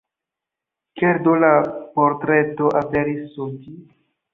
Kial do la portreto aperis sur ĝi?